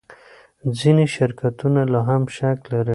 ځینې شرکتونه لا هم شک لري.